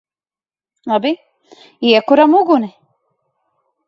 Labi. Iekuram uguni!